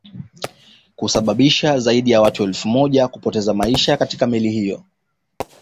kusababisha zaidi ya watu elfu moja kupoteza maisha katika Meli hiyo